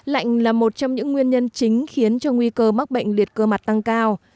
lạnh là một trong những nguyên nhân chính khiến cho nguy cơ mắc bệnh liệt cơ mặt tăng cao